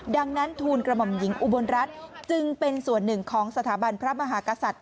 ดังนั้นทูลกระหม่อมหญิงอุบลรัฐจึงเป็นส่วนหนึ่งของสถาบันพระมหากษัตริย์